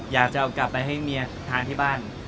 อยากจะเอากลับไปให้เมียทานที่บ้าน